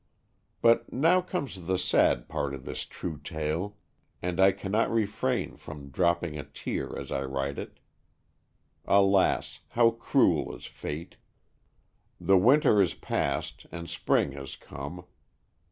But now comes the sad part of this true tale and I cannot refrain from dropping a tear as I write it. Alas ! How cruel is fate. The winter is past and spring has come.